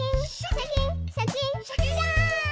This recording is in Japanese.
シャキンシャキンシャー！